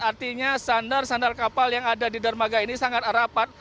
artinya sandar sandal kapal yang ada di dermaga ini sangat rapat